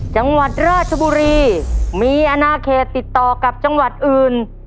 จังหวัดราชบุรีมีอนาเขตติดต่อกับจังหวัดอื่น